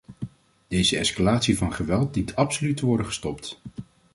Deze escalatie van geweld dient absoluut te worden gestopt.